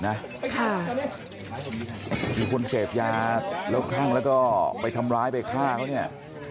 แต่คุณเชฟยามนรกข้างแล้วก็ไปทำร้ายไปฆ่าเขาเนี่ย